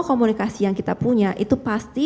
komunikasi yang kita punya itu pasti